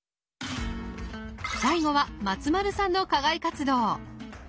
最後は松丸さんの課外活動。